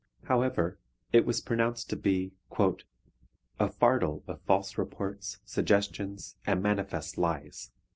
However, it was pronounced to be "a fardell of false reports, suggestions, and manifest lies."